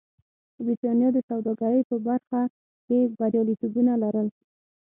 برېټانیا د سوداګرۍ په برخه کې بریالیتوبونه لرل.